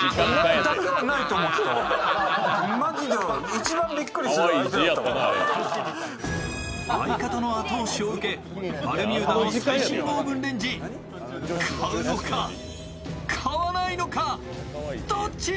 新発売相方の後押しを受け、バルミューダの最新オーブンレンジ買うのか、買わないのか、どっち？